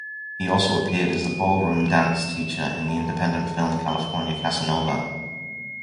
He also appeared as a ballroom dance teacher in the independent film "California Casanova".